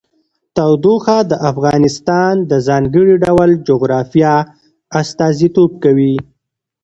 تودوخه د افغانستان د ځانګړي ډول جغرافیه استازیتوب کوي.